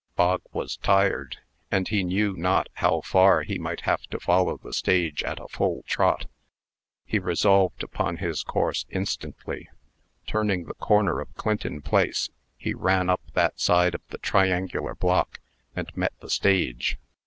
Bog was tired, and he knew not how far he might have to follow the stage at a full trot. He resolved upon his course instantly. Turning the corner of Clinton Place, he ran up that side of the triangular block, and met the stage.